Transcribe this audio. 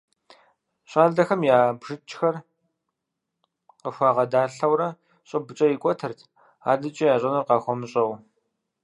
Щӏалэхэм я бжыкӀхэр къыхуагъэдалъэурэ щӀыбкӀэ икӀуэтырт, адэкӀэ ящӀэнур къахуэмыщӀэу.